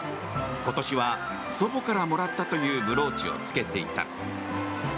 今年は祖母からもらったというブローチを着けていた。